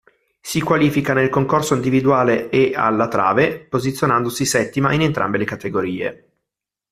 Si qualifica nel concorso individuale e alla trave, posizionandosi settima in entrambe le categorie.